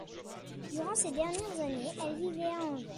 Durant ses dernières années, elle vivait à Anvers.